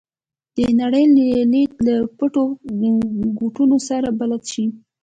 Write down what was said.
د دې نړۍ لید له پټو ګوټونو سره بلد شي.